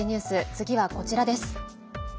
次はこちらです。